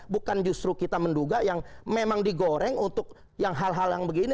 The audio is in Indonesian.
bukan justru kita menduga yang memang digoreng untuk yang hal hal yang begini